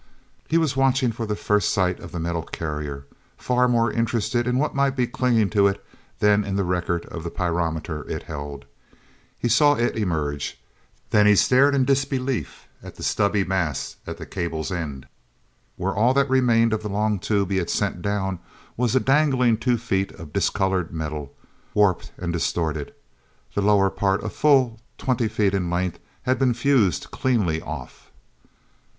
He was watching for the first sight of the metal carrier, far more interested in what might be clinging to it than in the record of the pyrometer it held. He saw it emerge—then he stared in disbelief at the stubby mass at the cable's end, where all that remained of the long tube he had sent down was a dangling two feet of discolored metal, warped and distorted. The lower part, a full twenty feet in length, had been fused cleanly off.